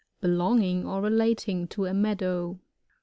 Belonging or relating to a meadow.